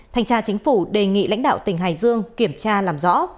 thanh tra chính phủ đề nghị lãnh đạo tỉnh hải dương kiểm tra làm rõ